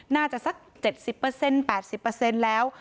น่าจะสัก๗๐๘๐แล้ว